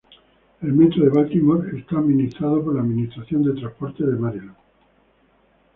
El Metro de Baltimore es administrado por la Administración de Transporte de Maryland.